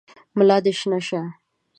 ملا دي شنه شه !